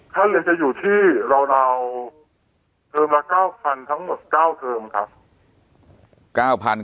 ค่าเรียนจะอยู่ที่เราเอาเทิมละ๙๐๐๐ทั้งหมด๙เทิมครับ